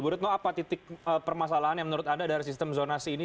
bu retno apa titik permasalahan yang menurut anda dari sistem zonasi ini